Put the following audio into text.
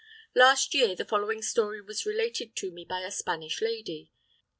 Last year the following story was related to me by a Spanish lady.